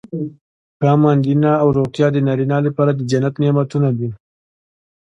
ښه ماندینه او روغتیا د نارینه لپاره د جنت نعمتونه دي.